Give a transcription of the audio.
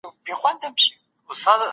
که څوک بد وي پیسې یې نور هم بد کوي.